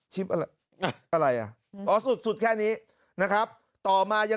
ชิบอะไรอะไรอ่ะ